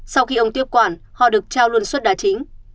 sau khi ông tiếp quản họ được trao luôn suất đá chính